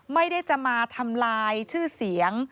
ไม่ได้จะมาทำลายชื่อเสียง